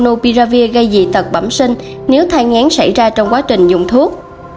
nguồn cung thuốc monopiravir gây dị tật bẩm sinh nếu thai ngán xảy ra trong quá trình dùng thuốc